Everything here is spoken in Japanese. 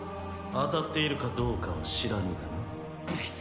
当たっているかどうかは知らぬがな。